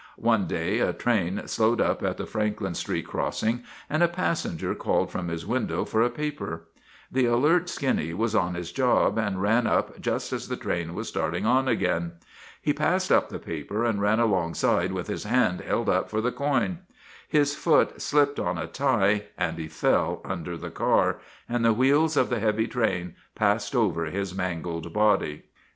One day a train slowed up at the Franklin Street crossing and a passenger called from his window for a paper. The alert Skinny was on his job, and ran up just as the train was starting on again. He passed up the paper and ran alongside with his hand held up for the coin. His foot slipped on a tie and he fell under the car, and the wheels of the heavy train passed over his mangled body.